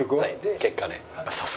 結果ね